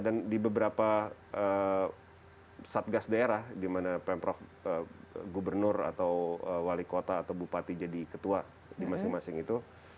dan di beberapa satgas daerah di mana pemprov gubernur atau wali kota atau bupati jadi ketua di masing masing itu